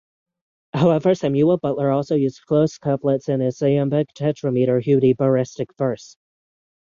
However, Samuel Butler also used closed couplets in his iambic tetrameter Hudibrastic verse.